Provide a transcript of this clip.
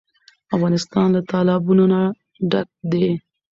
افغانستان له تالابونه ډک دی.